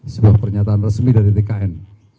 sebuah pernyataan resmi dari tkn